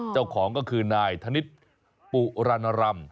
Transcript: เจ้าของก็คือนายธนิษฐ์ปุรณรำ